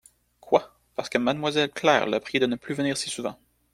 Quoi ! parce que mademoiselle Claire l'a prié de ne plus venir si souvent ?